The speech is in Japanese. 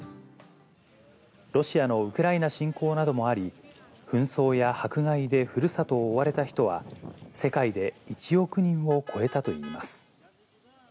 ロシアのウクライナ侵攻などもあり、紛争や迫害でふるさとを追われた人は、世界で１億人を超えたといいます。